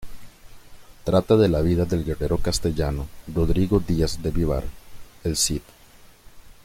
Trata de la vida del guerrero castellano Rodrigo Díaz de Vivar: El Cid.